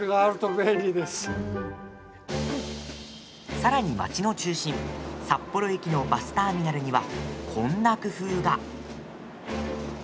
さらに街の中心、札幌駅のバスターミナルにはこんな工夫が。